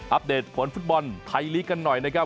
เดตผลฟุตบอลไทยลีกกันหน่อยนะครับ